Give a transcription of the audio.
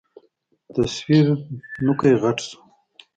تصوير نوکى غټ سو.